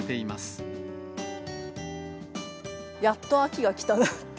やっと秋が来たなって。